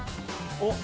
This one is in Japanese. おっ！